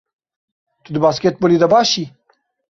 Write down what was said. Tu di basketbolê de baş î?